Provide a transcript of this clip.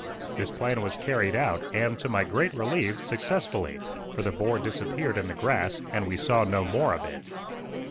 This plan was carried out, and, to my great relief, successfully, for the boar disappeared in the grass, and we saw no more of it.